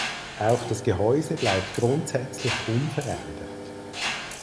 Auch das Gehäuse bleibt grundsätzlich unverändert.